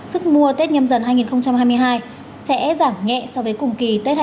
sức mua tết nhâm dần hai nghìn hai mươi hai sẽ giảm nhẹ so với cùng kỳ tết hai nghìn hai mươi hai